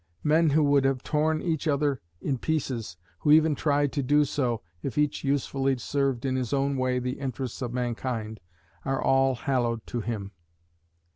Men who would have torn each other in pieces, who even tried to do so, if each usefully served in his own way the interests of mankind, are all hallowed to him.